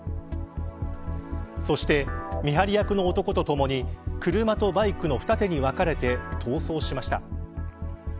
そして、見張り役の男とともに車とバイクの二手に分かれて逃走しました。